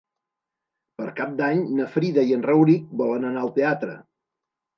Per Cap d'Any na Frida i en Rauric volen anar al teatre.